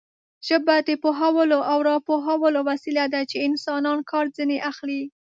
ژبه د پوهولو او راپوهولو وسیله ده چې انسانان کار ځنې اخلي.